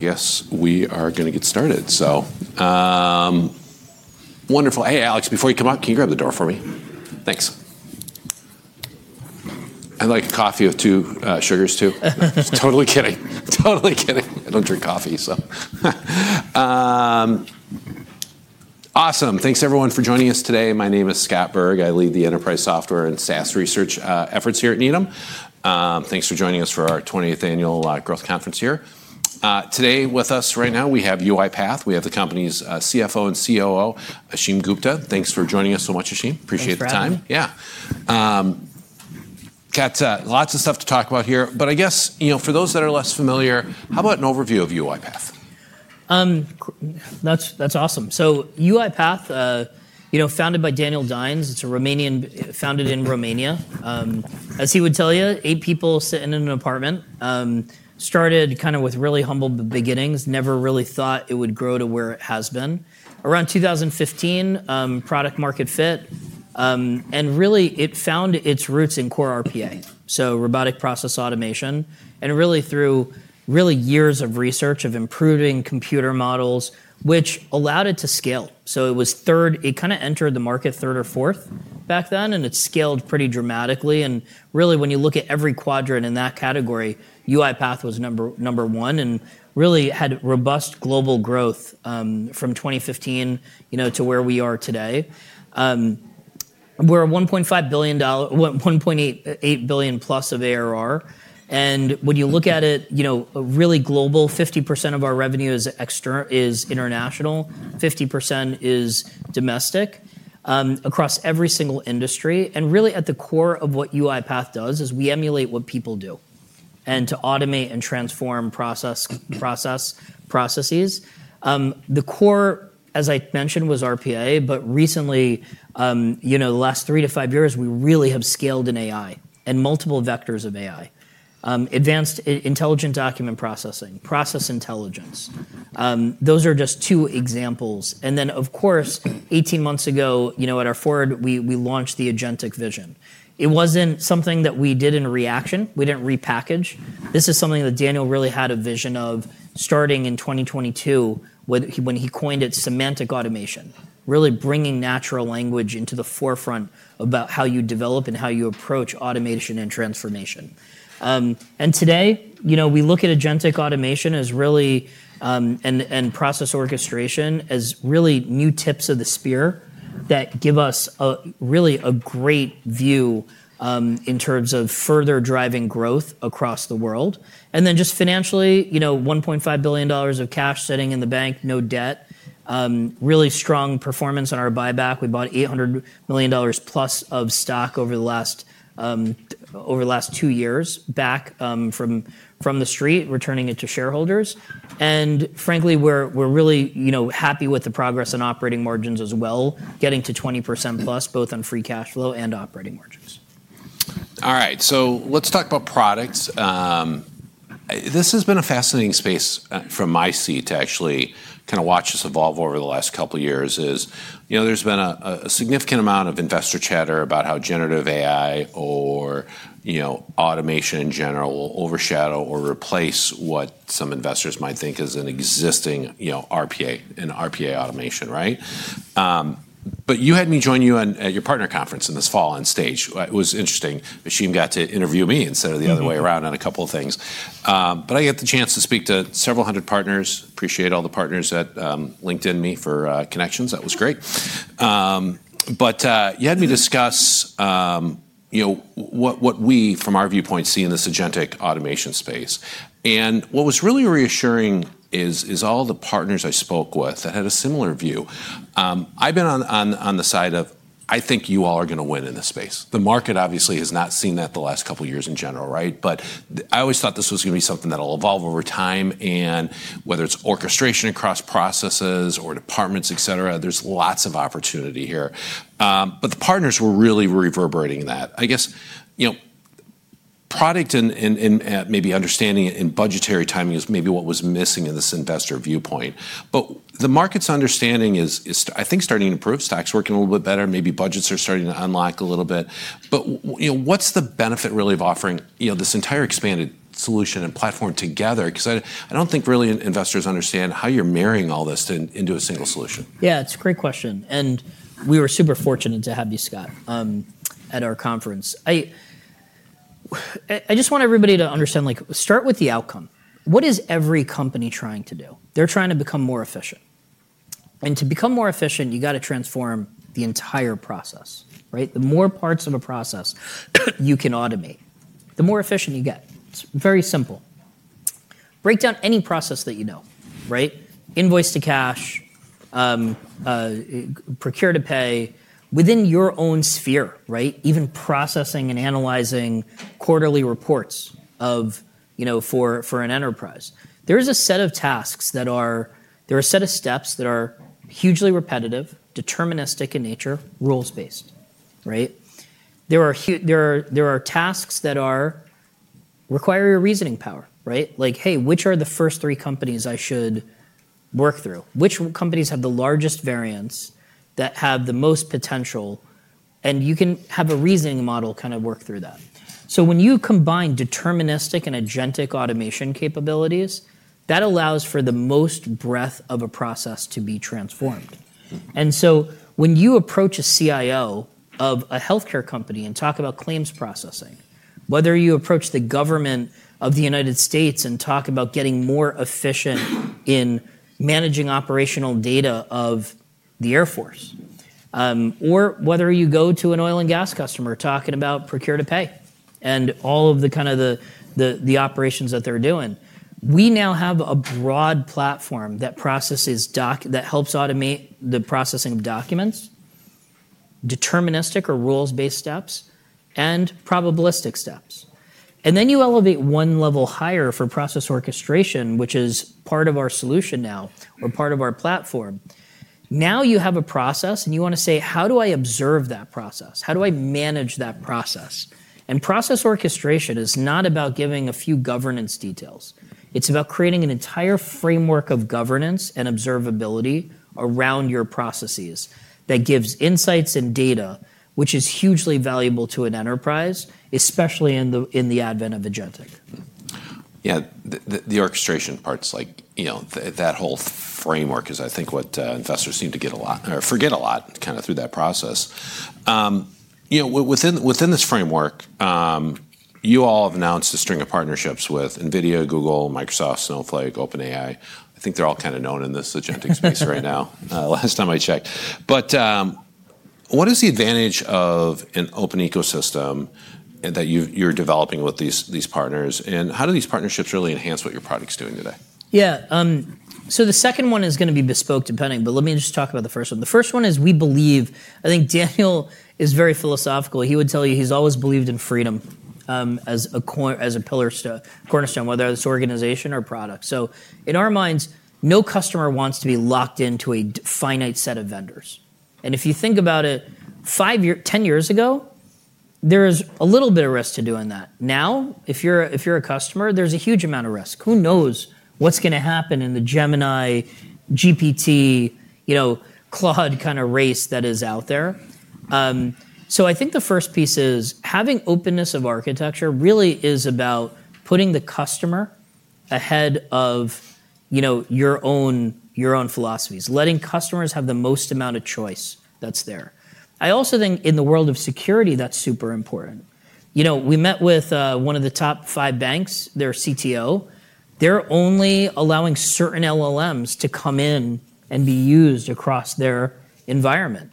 Yes, we are goin g to get started. So wonderful. Hey, Alex, before you come up, can you grab the door for me? Thanks. I'd like a coffee with two sugars too. Totally kidding. Totally kidding. I don't drink coffee, so. Awesome. Thanks, everyone, for joining us today. My name is Scott Berg. I lead the enterprise software and SaaS research efforts here at Needham. Thanks for joining us for our 20th annual growth conference here. Today with us right now, we have UiPath. We have the company's CFO and COO, Ashim Gupta. Thanks for joining us so much, Ashim. Appreciate the time. Thanks for having me. Yeah, got lots of stuff to talk about here, but I guess, you know, for those that are less familiar, how about an overview of UiPath? That's awesome. So UiPath, you know, founded by Daniel Dines. It's Romanian, founded in Romania. As he would tell you, eight people sitting in an apartment started kind of with really humble beginnings, never really thought it would grow to where it has been. Around 2015, product-market fit, and really it found its roots in core RPA, so robotic process automation. And really through years of research of improving computer models, which allowed it to scale. So it was third, it kind of entered the market third or fourth back then, and it scaled pretty dramatically. And really when you look at every quadrant in that category, UiPath was number one and really had robust global growth, from 2015, you know, to where we are today. We're a $1.5 billion-$1.8 billion plus of ARR. And when you look at it, you know, really global, 50% of our revenue is external, is international, 50% is domestic, across every single industry. Really at the core of what UiPath does is we emulate what people do and to automate and transform process, process, processes. The core, as I mentioned, was RPA, but recently, you know, the last 3-5 years, we really have scaled in AI and multiple vectors of AI: advanced intelligent document processing, process intelligence. Those are just two examples. And then, of course, 18 months ago, you know, at our Forward, we launched the Agentic Vision. It wasn't something that we did in reaction. We didn't repackage. This is something that Daniel really had a vision of starting in 2022 when he coined it semantic automation, really bringing natural language into the forefront about how you develop and how you approach automation and transformation. And today, you know, we look at agentic automation as really, and process orchestration as really new tips of the spear that give us a really great view, in terms of further driving growth across the world. And then just financially, you know, $1.5 billion of cash sitting in the bank, no debt, really strong performance on our buyback. We bought $800 million plus of stock over the last two years back, from the street, returning it to shareholders. And frankly, we're really, you know, happy with the progress on operating margins as well, getting to 20% plus both on free cash flow and operating margins. All right. So let's talk about products. This has been a fascinating space from my seat to actually kind of watch this evolve over the last couple of years, you know. There's been a significant amount of investor chatter about how Generative AI or, you know, automation in general will overshadow or replace what some investors might think is an existing, you know, RPA and RPA automation, right? But you had me join you on, at your partner conference in this fall on stage. It was interesting. Ashim got to interview me instead of the other way around on a couple of things. But I got the chance to speak to several hundred partners. Appreciate all the partners that LinkedIn me for connections. That was great. But you had me discuss, you know, what we from our viewpoint see in this agentic automation space. And what was really reassuring is all the partners I spoke with that had a similar view. I've been on the side of, I think you all are going to win in this space. The market obviously has not seen that the last couple of years in general, right? But I always thought this was going to be something that'll evolve over time. And whether it's orchestration across processes or departments, et cetera, there's lots of opportunity here. But the partners were really reverberating that. I guess, you know, product and maybe understanding it in budgetary timing is maybe what was missing in this investor viewpoint. But the market's understanding is, I think starting to improve. Stocks working a little bit better. Maybe budgets are starting to unlock a little bit. But, you know, what's the benefit really of offering, you know, this entire expanded solution and platform together? Because I don't think really investors understand how you're marrying all this into a single solution. Yeah, it's a great question, and we were super fortunate to have you, Scott, at our conference. I just want everybody to understand, like, start with the outcome. What is every company trying to do? They're trying to become more efficient, and to become more efficient, you got to transform the entire process, right? The more parts of a process you can automate, the more efficient you get. It's very simple. Break down any process that you know, right? Invoice to cash, procure to pay within your own sphere, right? Even processing and analyzing quarterly reports of, you know, for an enterprise. There is a set of tasks that are, there are a set of steps that are hugely repetitive, deterministic in nature, rules-based, right? There are tasks that require your reasoning power, right? Like, hey, which are the first three companies I should work through? Which companies have the largest variance that have the most potential? And you can have a reasoning model kind of work through that. So when you combine deterministic and agentic automation capabilities, that allows for the most breadth of a process to be transformed. When you approach a CIO of a healthcare company and talk about claims processing, whether you approach the government of the United States and talk about getting more efficient in managing operational data of the Air Force, or whether you go to an oil and gas customer talking about procure to pay and all of the kind of the operations that they're doing, we now have a broad platform that processes documents that helps automate the processing of documents, deterministic or rules-based steps, and probabilistic steps. You elevate one level higher for process orchestration, which is part of our solution now or part of our platform. Now you have a process and you want to say, how do I observe that process? How do I manage that process? Process orchestration is not about giving a few governance details. It's about creating an entire framework of governance and observability around your processes that gives insights and data, which is hugely valuable to an enterprise, especially in the advent of agentic. Yeah. The orchestration parts, like, you know, that whole framework is I think what investors seem to get a lot or forget a lot kind of through that process. You know, within this framework, you all have announced a string of partnerships with NVIDIA, Google, Microsoft, Snowflake, OpenAI. I think they're all kind of known in this agentic space right now, last time I checked. But what is the advantage of an open ecosystem that you've, you're developing with these partners? And how do these partnerships really enhance what your product's doing today? Yeah. So the second one is going to be bespoke depending, but let me just talk about the first one. The first one is we believe, I think Daniel is very philosophical. He would tell you he's always believed in freedom, as a core, as a pillar to cornerstone, whether it's organization or product. So in our minds, no customer wants to be locked into a finite set of vendors. And if you think about it, five years, 10 years ago, there was a little bit of risk to doing that. Now, if you're a customer, there's a huge amount of risk. Who knows what's going to happen in the Gemini GPT, you know, Claude kind of race that is out there. So I think the first piece is having openness of architecture really is about putting the customer ahead of, you know, your own philosophies, letting customers have the most amount of choice that's there. I also think in the world of security, that's super important. You know, we met with one of the top five banks' CTO. They're only allowing certain LLMs to come in and be used across their environment.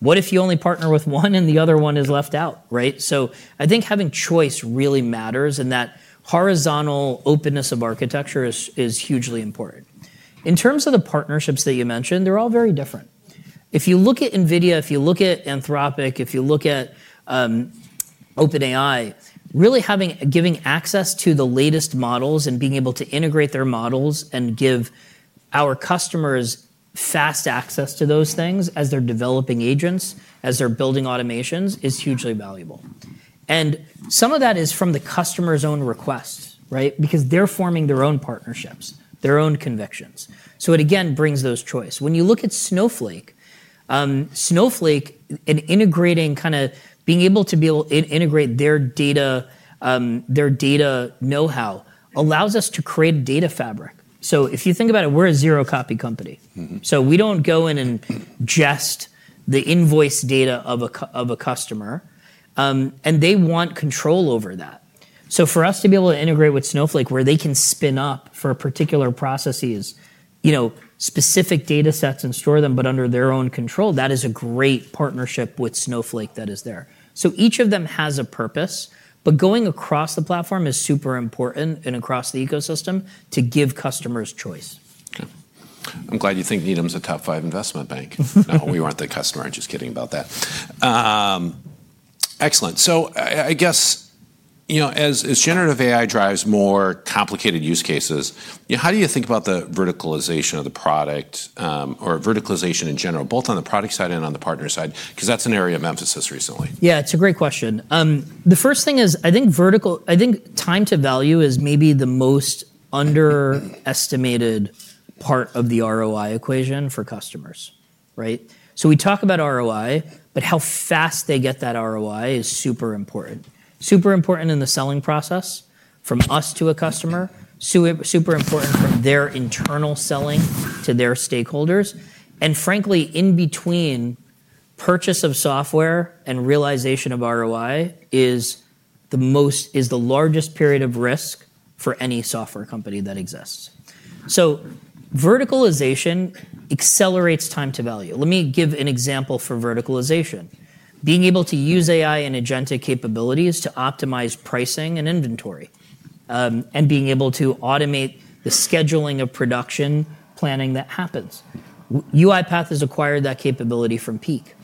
What if you only partner with one and the other one is left out, right? So I think having choice really matters and that horizontal openness of architecture is hugely important. In terms of the partnerships that you mentioned, they're all very different. If you look at NVIDIA, if you look at Anthropic, if you look at OpenAI, really having giving access to the latest models and being able to integrate their models and give our customers fast access to those things as they're developing agents, as they're building automations is hugely valuable. Some of that is from the customer's own request, right? Because they're forming their own partnerships, their own convictions. It again brings those choices. When you look at Snowflake, Snowflake and integrating kind of being able to integrate their data, their data know-how allows us to create a data fabric. If you think about it, we're a zero-copy company. We don't go in and ingest the invoice data of a customer, and they want control over that. So for us to be able to integrate with Snowflake where they can spin up for particular processes, you know, specific data sets and store them, but under their own control, that is a great partnership with Snowflake that is there. So each of them has a purpose, but going across the platform is super important and across the ecosystem to give customers choice. Okay. I'm glad you think Needham's a top five investment bank. No, we weren't the customer. I'm just kidding about that. Excellent. So I guess, you know, as generative AI drives more complicated use cases, you know, how do you think about the verticalization of the product, or verticalization in general, both on the product side and on the partner side? Because that's an area of emphasis recently. Yeah, it's a great question. The first thing is I think vertical, I think time to value is maybe the most underestimated part of the ROI equation for customers, right? So we talk about ROI, but how fast they get that ROI is super important. Super important in the selling process from us to a customer, super important from their internal selling to their stakeholders. And frankly, in between purchase of software and realization of ROI is the most, is the largest period of risk for any software company that exists. So verticalization accelerates time to value. Let me give an example for verticalization. Being able to use AI and agentic capabilities to optimize pricing and inventory, and being able to automate the scheduling of production planning that happens. UiPath has acquired that capability from Peak.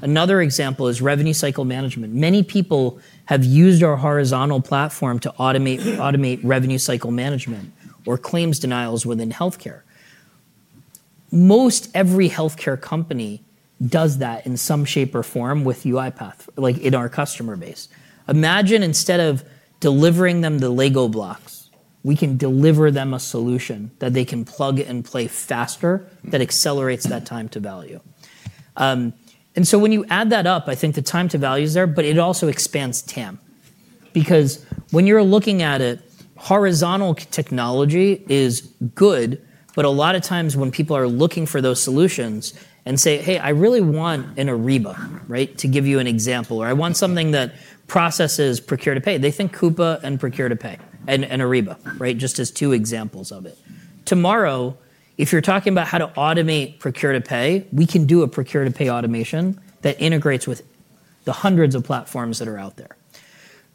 Another example is revenue cycle management. Many people have used our horizontal platform to automate revenue cycle management or claims denials within healthcare. Most every healthcare company does that in some shape or form with UiPath, like in our customer base. Imagine instead of delivering them the LEGO blocks, we can deliver them a solution that they can plug and play faster that accelerates that time to value, and so when you add that up, I think the time to value is there, but it also expands TAM because when you're looking at it, horizontal technology is good, but a lot of times when people are looking for those solutions and say, hey, I really want an Ariba, right, to give you an example, or I want something that processes procure to pay. They think Coupa and procure to pay and Ariba, right? Just as two examples of it. Tomorrow, if you're talking about how to automate procure to pay, we can do a procure to pay automation that integrates with the hundreds of platforms that are out there.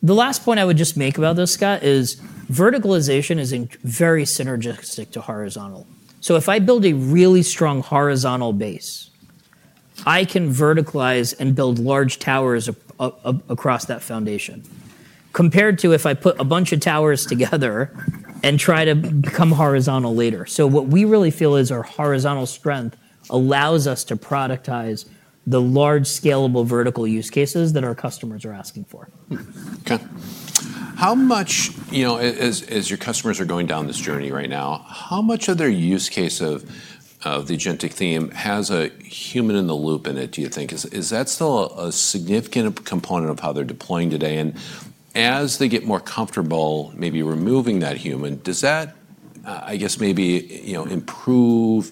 The last point I would just make about this, Scott, is verticalization is very synergistic to horizontal. So if I build a really strong horizontal base, I can verticalize and build large towers across that foundation compared to if I put a bunch of towers together and try to become horizontal later. So what we really feel is our horizontal strength allows us to productize the large scalable vertical use cases that our customers are asking for. Okay. How much, you know, as your customers are going down this journey right now, how much of their use case of the agentic theme has a human in the loop in it, do you think? Is that still a significant component of how they're deploying today? And as they get more comfortable maybe removing that human, does that, I guess maybe, you know, improve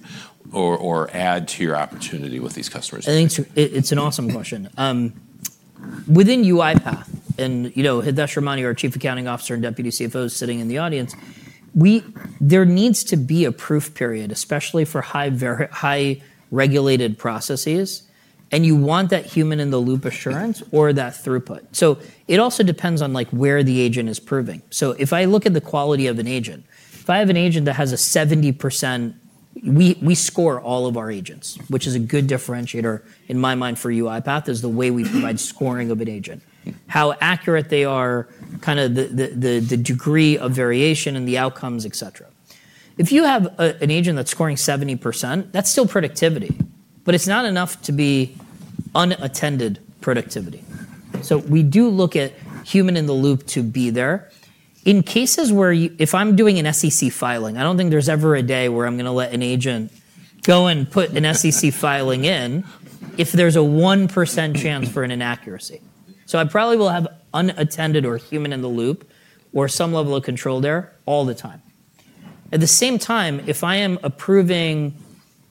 or add to your opportunity with these customers? I think it's an awesome question. Within UiPath and, you know, Hitesh Ramani, our Chief Accounting Officer and Deputy CFO sitting in the audience, there needs to be a proof period, especially for highly regulated processes. You want that human in the loop assurance or that throughput. It also depends on like where the agent is proving. If I look at the quality of an agent, if I have an agent that has 70%, we score all of our agents, which is a good differentiator in my mind for UiPath is the way we provide scoring of an agent, how accurate they are, kind of the degree of variation and the outcomes, et cetera. If you have an agent that's scoring 70%, that's still productivity, but it's not enough to be unattended productivity. So we do look at human-in-the-loop to be there in cases where if I'm doing an SEC filing, I don't think there's ever a day where I'm going to let an agent go and put an SEC filing in if there's a 1% chance for an inaccuracy. So I probably will have unattended or human-in-the-loop or some level of control there all the time. At the same time, if I am approving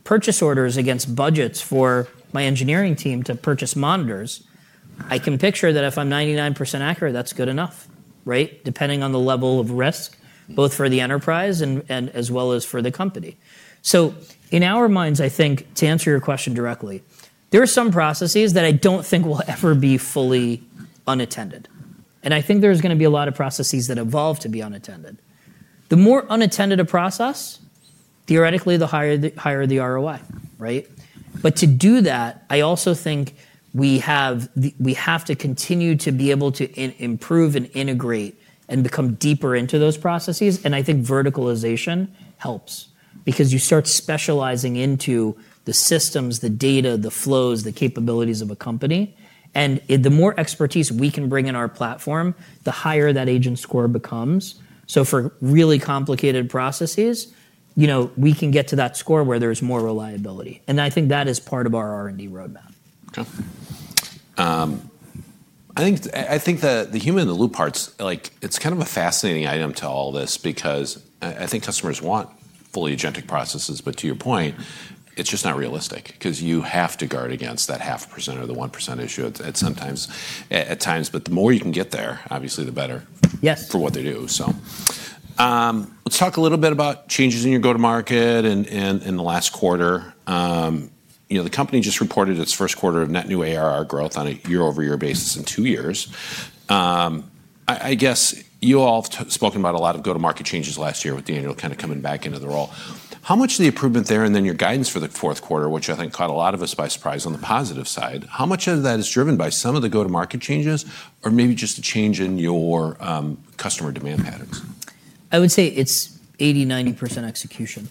purchase orders against budgets for my engineering team to purchase monitors, I can picture that if I'm 99% accurate, that's good enough, right? Depending on the level of risk, both for the enterprise and as well as for the company. So in our minds, I think to answer your question directly, there are some processes that I don't think will ever be fully unattended. I think there's going to be a lot of processes that evolve to be unattended. The more unattended a process, theoretically, the higher the ROI, right? But to do that, I also think we have to continue to be able to improve and integrate and become deeper into those processes. And I think verticalization helps because you start specializing into the systems, the data, the flows, the capabilities of a company. And the more expertise we can bring in our platform, the higher that agent score becomes. So for really complicated processes, you know, we can get to that score where there's more reliability. And I think that is part of our R&D roadmap. Okay. I think the human in the loop parts, like it's kind of a fascinating item to all this because I think customers want fully agentic processes, but to your point, it's just not realistic because you have to guard against that 0.5% or the 1% issue at times. But the more you can get there, obviously the better. Yes. For what they do. So, let's talk a little bit about changes in your go-to-market and in the last quarter. You know, the company just reported its first quarter of net new ARR growth on a year-over-year basis in two years. I guess you all have spoken about a lot of go-to-market changes last year with Daniel kind of coming back into the role. How much of the improvement there and then your guidance for the fourth quarter, which I think caught a lot of us by surprise on the positive side, how much of that is driven by some of the go-to-market changes or maybe just a change in your customer demand patterns? I would say it's 80%-90% execution.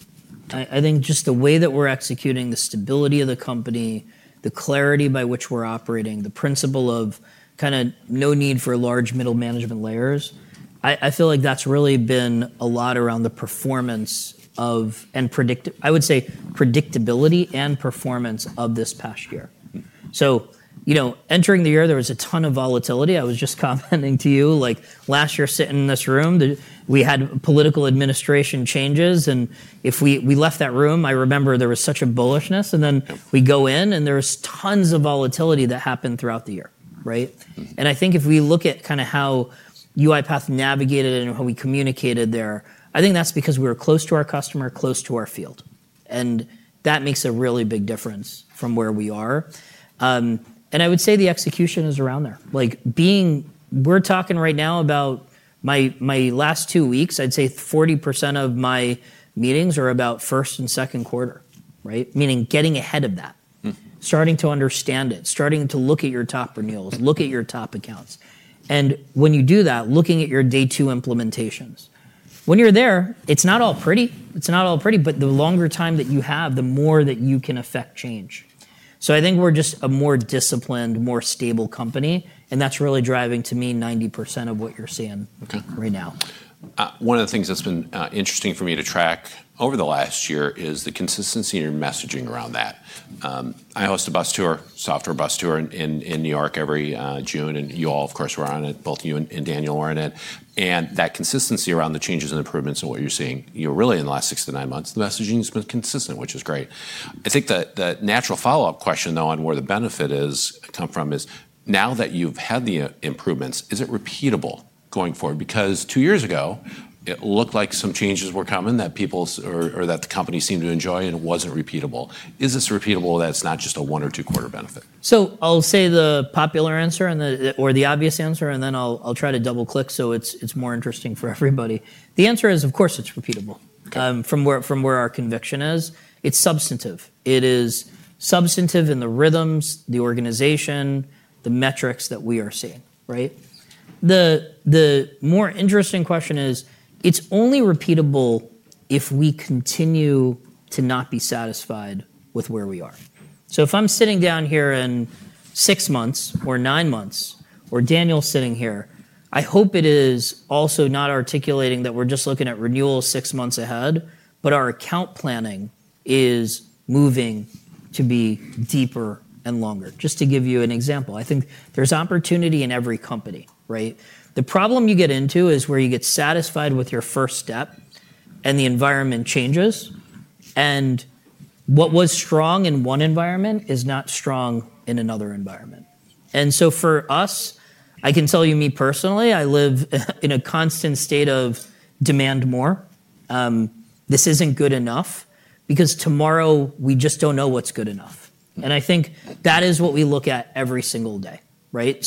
I think just the way that we're executing, the stability of the company, the clarity by which we're operating, the principle of kind of no need for large middle management layers. I feel like that's really been a lot around the performance of, I would say, predictability and performance of this past year. So, you know, entering the year, there was a ton of volatility. I was just commenting to you, like last year sitting in this room, we had political administration changes. And if we left that room, I remember there was such a bullishness. And then we go in and there was tons of volatility that happened throughout the year, right? I think if we look at kind of how UiPath navigated and how we communicated there, I think that's because we were close to our customer, close to our field. And that makes a really big difference from where we are. I would say the execution is around there. Like being, we're talking right now about my last two weeks, I'd say 40% of my meetings are about first and second quarter, right? Meaning getting ahead of that, starting to understand it, starting to look at your top renewals, look at your top accounts. And when you do that, looking at your day two implementations, when you're there, it's not all pretty. It's not all pretty, but the longer time that you have, the more that you can affect change. So I think we're just a more disciplined, more stable company. That's really driving to me 90% of what you're seeing right now. One of the things that's been interesting for me to track over the last year is the consistency in your messaging around that. I host a bus tour, Software Bus Tour in New York every June. And you all, of course, were on it, both you and Daniel were in it. And that consistency around the changes and improvements and what you're seeing, you know, really in the last six to nine months, the messaging has been consistent, which is great. I think the natural follow-up question though, and where the benefit has come from is now that you've had the improvements, is it repeatable going forward? Because two years ago it looked like some changes were coming that people or that the company seemed to enjoy and it wasn't repeatable. Is this repeatable that it's not just a one or two quarter benefit? So I'll say the popular answer or the obvious answer, and then I'll try to double-click so it's more interesting for everybody. The answer is, of course, it's repeatable. From where our conviction is, it's substantive. It is substantive in the rhythms, the organization, the metrics that we are seeing, right? The more interesting question is it's only repeatable if we continue to not be satisfied with where we are. So if I'm sitting down here in six months or nine months or Daniel's sitting here, I hope it is also not articulating that we're just looking at renewals six months ahead, but our account planning is moving to be deeper and longer. Just to give you an example, I think there's opportunity in every company, right? The problem you get into is where you get satisfied with your first step and the environment changes. And what was strong in one environment is not strong in another environment. And so for us, I can tell you, me personally, I live in a constant state of demand more. This isn't good enough because tomorrow we just don't know what's good enough. And I think that is what we look at every single day, right?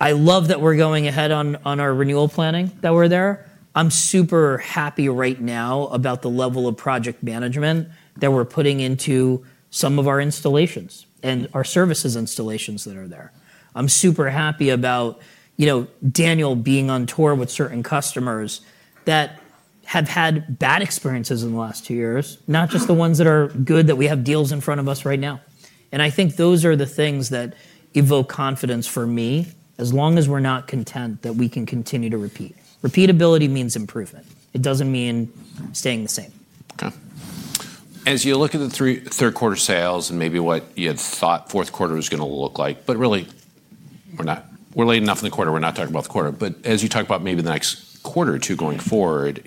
So I love that we're going ahead on our renewal planning that we're there. I'm super happy right now about the level of project management that we're putting into some of our installations and our services installations that are there. I'm super happy about, you know, Daniel being on tour with certain customers that have had bad experiences in the last two years, not just the ones that are good that we have deals in front of us right now. And I think those are the things that evoke confidence for me. As long as we're not content that we can continue to repeat, repeatability means improvement. It doesn't mean staying the same. Okay. As you look at the third quarter sales and maybe what you had thought fourth quarter was going to look like, but really we're not, we're late enough in the quarter. We're not talking about the quarter, but as you talk about maybe the next quarter or two going forward,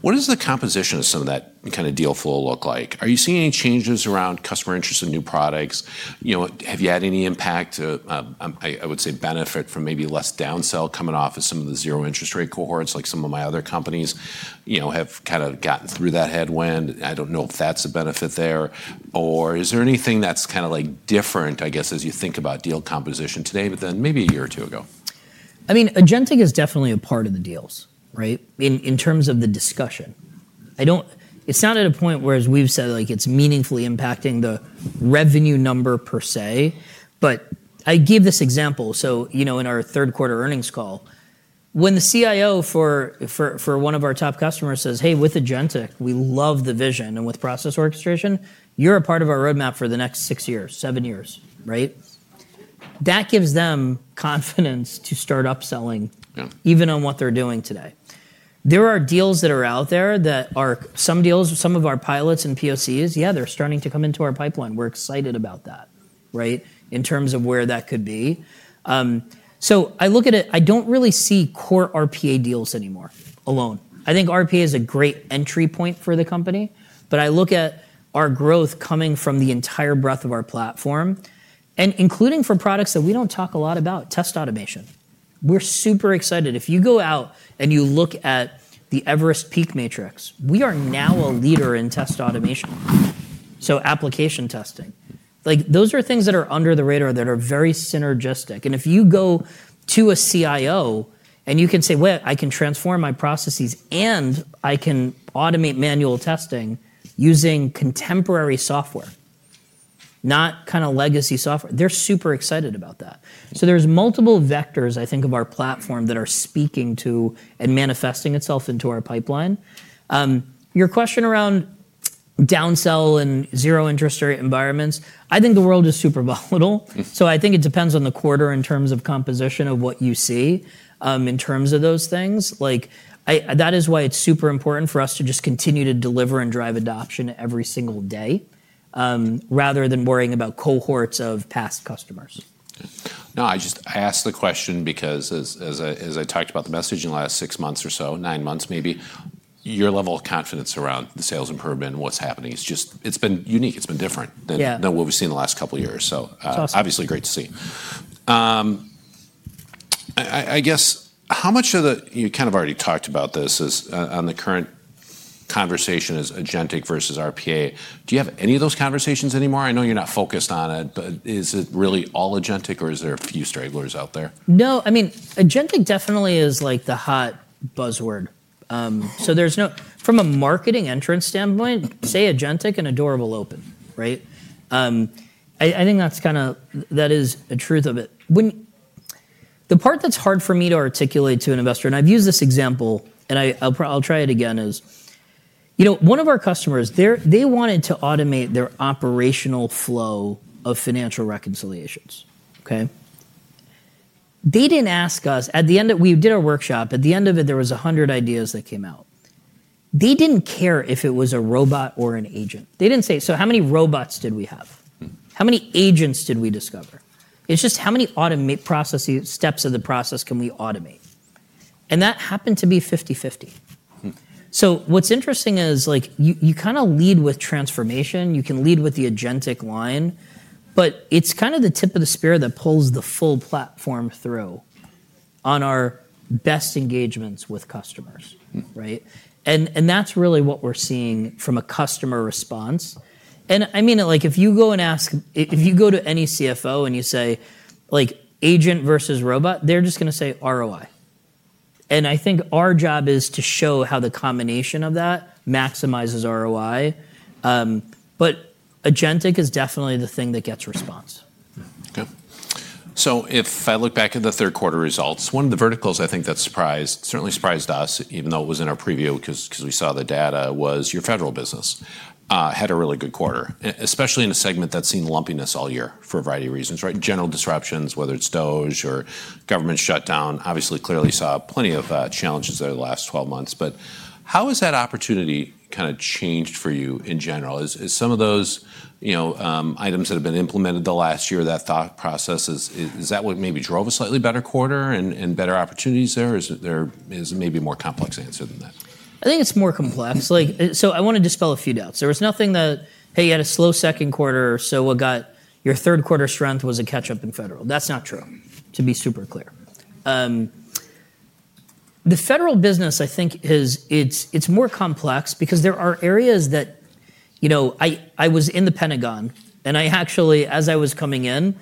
what is the composition of some of that kind of deal flow look like? Are you seeing any changes around customer interest in new products? You know, have you had any impact to, I would say benefit from maybe less downsell coming off of some of the zero interest rate cohorts, like some of my other companies, you know, have kind of gotten through that headwind. I don't know if that's a benefit there, or is there anything that's kind of like different, I guess, as you think about deal composition today than maybe a year or two ago? I mean, agentic is definitely a part of the deals, right? In terms of the discussion, I don't, it's not at a point where we've said like it's meaningfully impacting the revenue number per se, but I give this example. So, you know, in our third quarter earnings call, when the CIO for one of our top customers says, hey, with agentic, we love the vision and with process orchestration, you're a part of our roadmap for the next six years, seven years, right? That gives them confidence to start upselling even on what they're doing today. There are deals that are out there, some of our pilots and POCs, yeah, they're starting to come into our pipeline. We're excited about that, right? In terms of where that could be. So I look at it. I don't really see core RPA deals anymore alone. I think RPA is a great entry point for the company, but I look at our growth coming from the entire breadth of our platform and including for products that we don't talk a lot about, test automation. We're super excited. If you go out and you look at the Everest PEAK Matrix, we are now a leader in test automation. So application testing, like those are things that are under the radar that are very synergistic. And if you go to a CIO and you can say, wait, I can transform my processes and I can automate manual testing using contemporary software, not kind of legacy software, they're super excited about that. So there's multiple vectors I think of our platform that are speaking to and manifesting itself into our pipeline. Your question around downsell and zero interest rate environments, I think the world is super volatile. So I think it depends on the quarter in terms of composition of what you see, in terms of those things. Like I, that is why it's super important for us to just continue to deliver and drive adoption every single day, rather than worrying about cohorts of past customers. No, I just asked the question because, as I talked about the messaging in the last six months or so, nine months maybe, your level of confidence around the sales improvement and what's happening is just. It's been unique. It's been different than what we've seen the last couple of years. So, obviously great to see. I guess how much of the current conversation is agentic versus RPA. You kind of already talked about this. Do you have any of those conversations anymore? I know you're not focused on it, but is it really all agentic or is there a few stragglers out there? No, I mean, agentic definitely is like the hot buzzword, so there's no, from a marketing perspective standpoint, say agentic and a door will open, right? I think that's kind of, that is a truth of it. When the part that's hard for me to articulate to an investor, and I've used this example and I'll try it again is, you know, one of our customers, they wanted to automate their operational flow of financial reconciliations. Okay. They didn't ask us at the end of, we did a workshop, at the end of it, there were 100 ideas that came out. They didn't care if it was a robot or an agent. They didn't say, so how many robots did we have? How many agents did we discover? It's just how many automate processes, steps of the process can we automate? And that happened to be 50, 50. So what's interesting is like, you, you kind of lead with transformation, you can lead with the agentic line, but it's kind of the tip of the spear that pulls the full platform through on our best engagements with customers, right? And, and that's really what we're seeing from a customer response. And I mean, like if you go and ask, if you go to any CFO and you say like agent versus robot, they're just going to say ROI. And I think our job is to show how the combination of that maximizes ROI. But agentic is definitely the thing that gets response. Okay. So if I look back at the third quarter results, one of the verticals I think that surprised, certainly surprised us, even though it was in our preview because we saw the data was your federal business had a really good quarter, especially in a segment that's seen lumpiness all year for a variety of reasons, right? General disruptions, whether it's DOGE or government shutdown, obviously clearly saw plenty of challenges there the last 12 months. But how has that opportunity kind of changed for you in general? Is some of those, you know, items that have been implemented the last year, that thought process is that what maybe drove a slightly better quarter and better opportunities there? Is there maybe a more complex answer than that? I think it's more complex. Like, so I want to dispel a few doubts. There was nothing that, hey, you had a slow second quarter or so what got your third quarter strength was a catch up in federal. That's not true, to be super clear. The federal business, I think, is. It's more complex because there are areas that, you know, I was in the Pentagon and I actually, as I was coming in,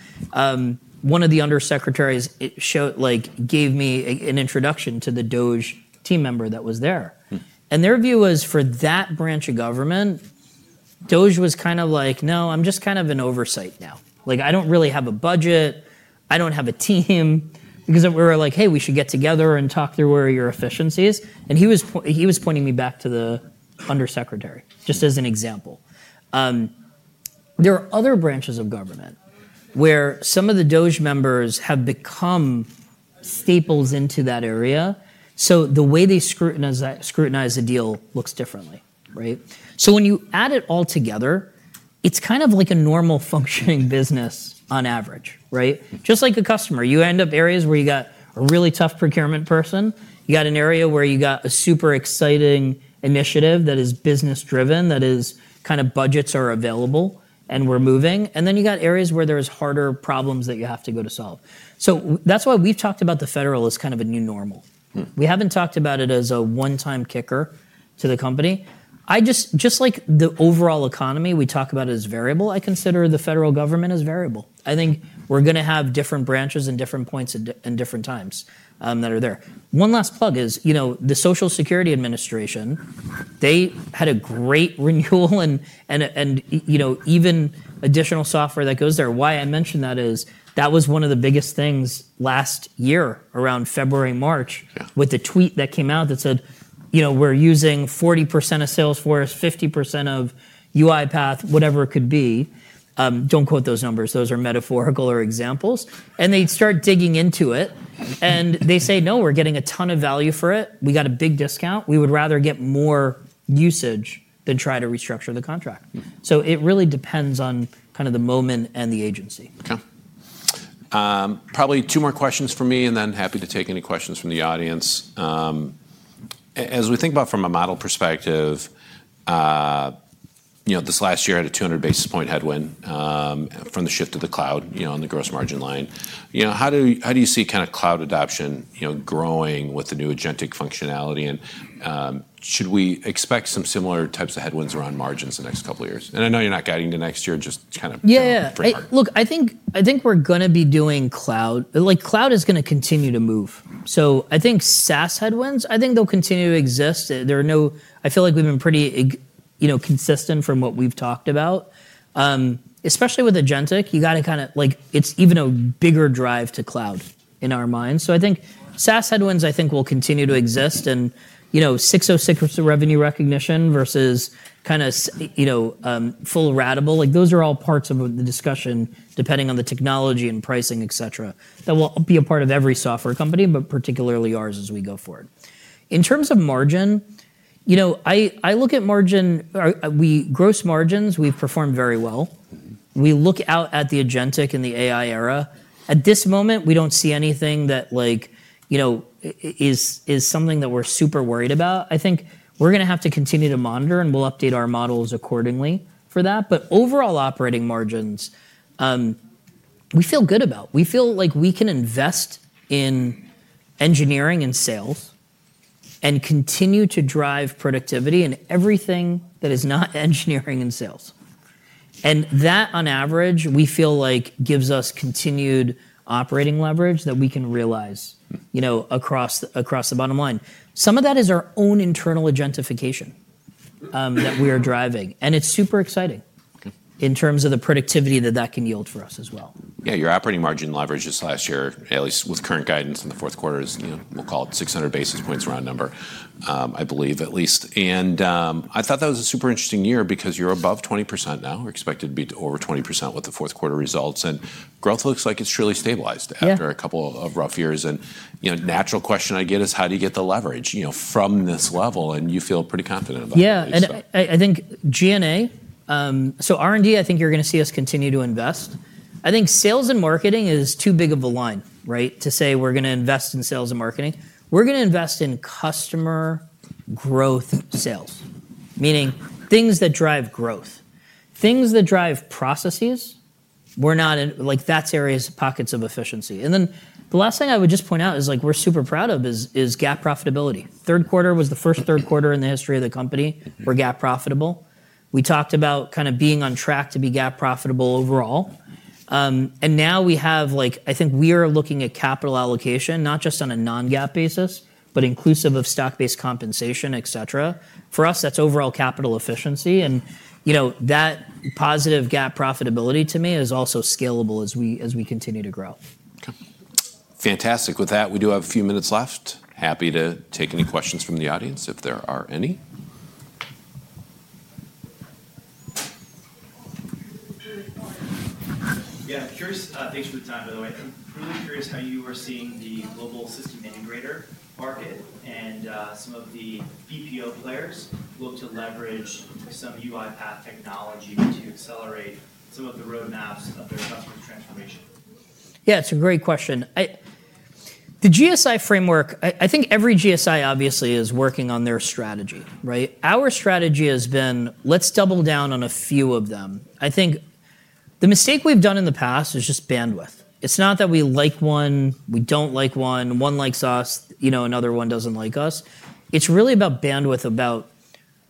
one of the undersecretaries showed, like gave me an introduction to the DOGE team member that was there. And their view was for that branch of government, DOGE was kind of like, no, I'm just kind of in oversight now. Like I don't really have a budget. I don't have a team because we were like, hey, we should get together and talk through where your efficiencies. And he was pointing me back to the undersecretary just as an example. There are other branches of government where some of the DOGE members have become staples into that area. So the way they scrutinize the deal looks differently, right? So when you add it all together, it's kind of like a normal functioning business on average, right? Just like a customer, you end up areas where you got a really tough procurement person, you got an area where you got a super exciting initiative that is business driven, that is kind of budgets are available and we're moving. And then you got areas where there's harder problems that you have to go to solve. So that's why we've talked about the federal as kind of a new normal. We haven't talked about it as a one-time kicker to the company. I just like the overall economy, we talk about it as variable. I consider the federal government as variable. I think we're going to have different branches and different points and different times, that are there. One last plug is, you know, the Social Security Administration, they had a great renewal and, you know, even additional software that goes there. Why I mentioned that is that was one of the biggest things last year around February, March, with the tweet that came out that said, you know, we're using 40% of Salesforce, 50% of UiPath, whatever it could be. Don't quote those numbers. Those are metaphorical or examples, and they'd start digging into it and they say, no, we're getting a ton of value for it. We got a big discount. We would rather get more usage than try to restructure the contract. So it really depends on kind of the moment and the agency. Okay. Probably two more questions for me and then happy to take any questions from the audience. As we think about from a model perspective, you know, this last year had a 200 basis point headwind, from the shift to the cloud, you know, on the gross margin line. You know, how do you see kind of cloud adoption, you know, growing with the new agentic functionality? And, should we expect some similar types of headwinds around margins the next couple of years? And I know you're not guiding the next year, just kind of. Yeah, yeah, yeah. Look, I think, I think we're going to be doing cloud, like cloud is going to continue to move. So I think SaaS headwinds, I think they'll continue to exist. I feel like we've been pretty, you know, consistent from what we've talked about. Especially with agentic, you got to kind of like, it's even a bigger drive to cloud in our minds. So I think SaaS headwinds, I think will continue to exist. And, you know, 606 revenue recognition versus kind of, you know, full ratable, like those are all parts of the discussion depending on the technology and pricing, et cetera, that will be a part of every software company, but particularly ours as we go forward. In terms of margin, you know, I, I look at margin, we gross margins, we've performed very well. We look out at the agentic and the AI era. At this moment, we don't see anything that like, you know, is something that we're super worried about. I think we're going to have to continue to monitor and we'll update our models accordingly for that. But overall operating margins, we feel good about, we feel like we can invest in engineering and sales and continue to drive productivity in everything that is not engineering and sales. And that on average, we feel like gives us continued operating leverage that we can realize, you know, across the bottom line. Some of that is our own internal agentification, that we are driving. And it's super exciting in terms of the productivity that that can yield for us as well. Yeah. Your operating margin leverage this last year, at least with current guidance in the fourth quarter, is, you know, we'll call it 600 basis points around number, I believe, at least. I thought that was a super interesting year because you're above 20% now. We're expected to be over 20% with the fourth quarter results. Growth looks like it's truly stabilized after a couple of rough years. You know, natural question I get is how do you get the leverage, you know, from this level. You feel pretty confident about it. Yeah. And I think G&A, so R&D, I think you're going to see us continue to invest. I think sales and marketing is too big of a line, right? To say we're going to invest in sales and marketing. We're going to invest in customer growth sales, meaning things that drive growth, things that drive processes. We're not in like those areas, pockets of efficiency. And then the last thing I would just point out is like we're super proud of is GAAP profitability. The third quarter was the first third quarter in the history of the company. We're GAAP profitable. We talked about kind of being on track to be GAAP profitable overall. And now we have like, I think we are looking at capital allocation, not just on a non-GAAP basis, but inclusive of stock-based compensation, et cetera. For us, that's overall capital efficiency. You know, that positive gap profitability to me is also scalable as we continue to grow. Okay. Fantastic. With that, we do have a few minutes left. Happy to take any questions from the audience if there are any. Yeah. I'm curious, thanks for the time, by the way. I'm really curious how you are seeing the global system integrator market and some of the BPO players look to leverage some of the UiPath technology to accelerate some of the roadmaps of their customer transformation. Yeah, it's a great question. In the GSI framework, I think every GSI obviously is working on their strategy, right? Our strategy has been, let's double down on a few of them. I think the mistake we've done in the past is just bandwidth. It's not that we like one, we don't like one, one likes us, you know, another one doesn't like us. It's really about bandwidth, about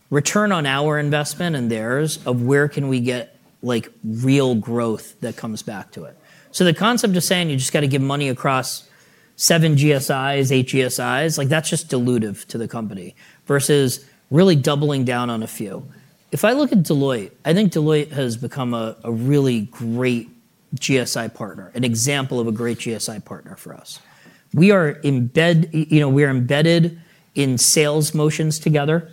return on our investment and theirs of where can we get like real growth that comes back to it. So the concept of saying you just got to give money across seven GSIs, eight GSIs, like that's just dilutive to the company versus really doubling down on a few. If I look at Deloitte, I think Deloitte has become a really great GSI partner, an example of a great GSI partner for us. We are embedded, you know, we are embedded in sales motions together.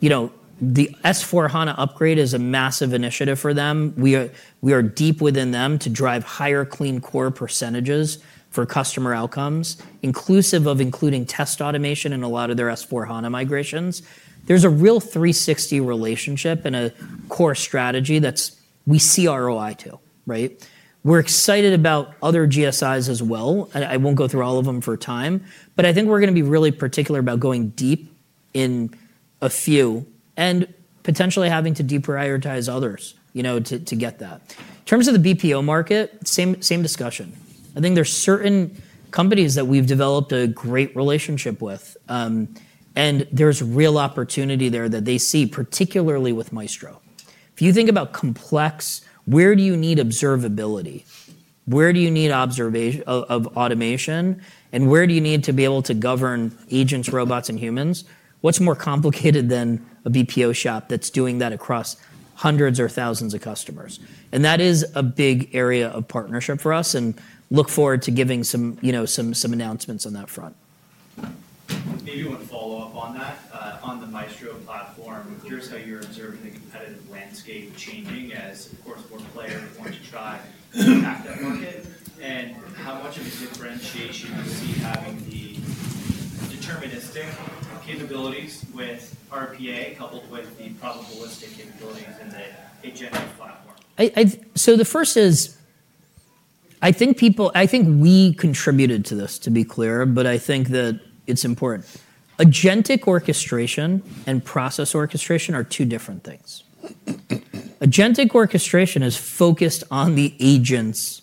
You know, the S/4HANA upgrade is a massive initiative for them. We are deep within them to drive higher clean core percentages for customer outcomes, inclusive of test automation and a lot of their S/4HANA migrations. There's a real 360 relationship and a core strategy that's we see ROI too, right? We're excited about other GSIs as well. I won't go through all of them for time, but I think we're going to be really particular about going deep in a few and potentially having to deprioritize others, you know, to get that. In terms of the BPO market, same discussion. I think there's certain companies that we've developed a great relationship with, and there's real opportunity there that they see, particularly with Maestro. If you think about complex, where do you need observability? Where do you need observation of automation? And where do you need to be able to govern agents, robots, and humans? What's more complicated than a BPO shop that's doing that across hundreds or thousands of customers? And that is a big area of partnership for us and look forward to giving some, you know, announcements on that front. Maybe one follow-up on that, on the Maestro platform. I'm curious how you're observing the competitive landscape changing as, of course, more players want to try to impact that market. And how much of a differentiation do you see having the deterministic capabilities with RPA coupled with the probabilistic capabilities in the agentic platform? So the first is, I think people, I think we contributed to this, to be clear, but I think that it's important. Agentic orchestration and process orchestration are two different things. Agentic orchestration is focused on the agents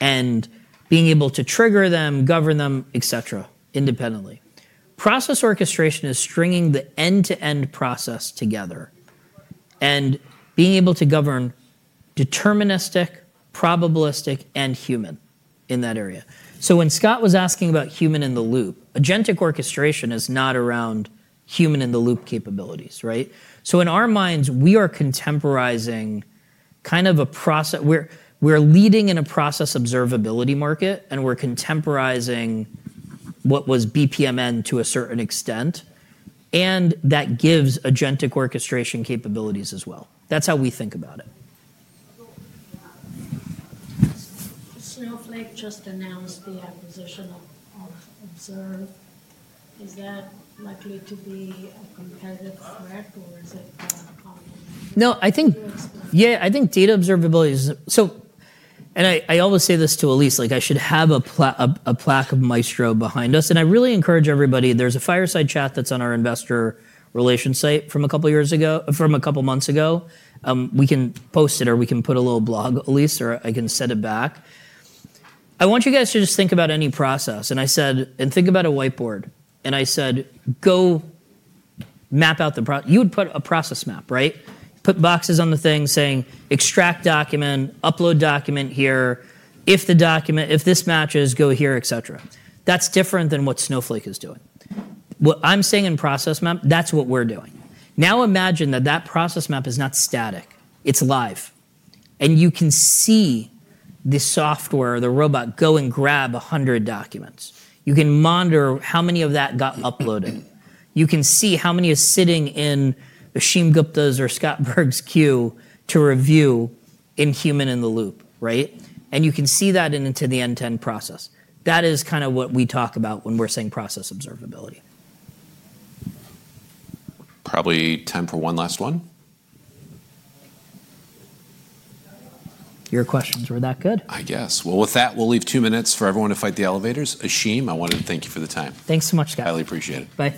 and being able to trigger them, govern them, et cetera, independently. Process orchestration is stringing the end-to-end process together and being able to govern deterministic, probabilistic, and human in that area. So when Scott was asking about human in the loop, agentic orchestration is not around human in the loop capabilities, right? So in our minds, we are contemporizing kind of a process. We're leading in a process observability market and we're contemporizing what was BPMN to a certain extent. And that gives agentic orchestration capabilities as well. That's how we think about it. Snowflake just announced the acquisition of Observe. Is that likely to be a competitive threat or is it coming? No, I think, yeah, I think data observability is so, and I always say this to Elise, like I should have a plaque, a plaque of Maestro behind us, and I really encourage everybody. There's a fireside chat that's on our investor relations site from a couple of years ago, from a couple of months ago. We can post it or we can put a little blog, Elise, or I can send it back. I want you guys to just think about any process, and I said, and think about a whiteboard, and I said, go map out the process. You would put a process map, right? Put boxes on the thing saying, extract document, upload document here. If the document, if this matches, go here, et cetera. That's different than what Snowflake is doing. What I'm saying in process map, that's what we're doing. Now imagine that that process map is not static. It's live. And you can see the software, the robot go and grab a hundred documents. You can monitor how many of that got uploaded. You can see how many are sitting in Ashim Gupta's or Scott Berg's queue to review in human in the loop, right? And you can see that into the end-to-end process. That is kind of what we talk about when we're saying process observability. Probably time for one last one. Your questions were that good? I guess. Well, with that, we'll leave two minutes for everyone to fight the elevators. Ashim, I wanted to thank you for the time. Thanks so much, Scott. Highly appreciate it.